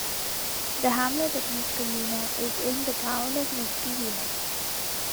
The hamlet of Niskayuna is in the town of Niskayuna.